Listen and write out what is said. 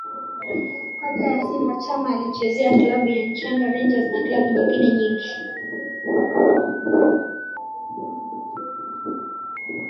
Kabla ya Simba Chama alizichezea klabu ya Nchanga Rangers na klabu nyengine nyingi